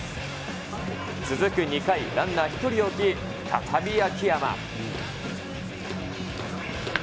続く２回、ランナー１人を置き、再び秋山。